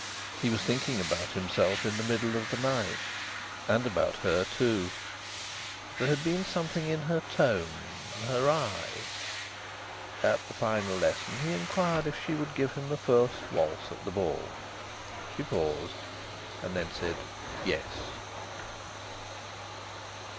He was thinking about himself in the middle of the night, and about her too. There had been something in her tone... her eye... At the final lesson he inquired if she would give him the first waltz at the ball. She paused, then said yes.